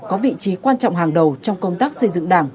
có vị trí quan trọng hàng đầu trong công tác xây dựng đảng